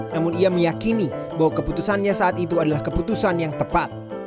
namun ia meyakini bahwa keputusannya saat itu adalah keputusan yang tepat